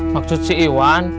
maksud si iwan